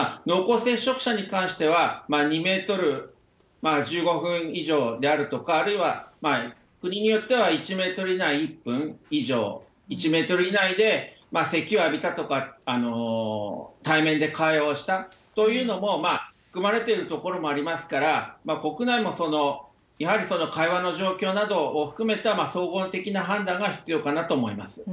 濃厚接触者に関しては、２メートル、１５分以上であるとか、あるいは国によっては１メートル以内、１分以上、１メートル以内でせきを浴びたとか、対面で会話をしたというのも含まれているところもありますから、国内もやはりその会話の状況などを含めた総合的な判断が必要かなと思います。